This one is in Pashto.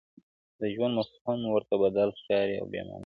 د ژوند مفهوم ورته بدل ښکاري او بې معنا